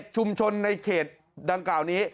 ชุมชนในเขตดังกล่าวนี้